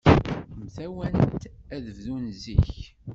Mtawant ad bdun zik.